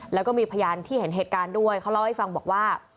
แล้วก็มีพยานที่เห็นเหตุการณ์ด้วยเขาเล่าให้ฟังบอกว่า